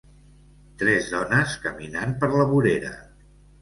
Tres dones caminant per la vorera.